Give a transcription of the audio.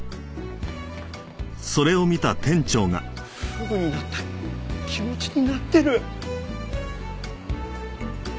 フグになった気持ちになってる！